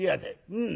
うん。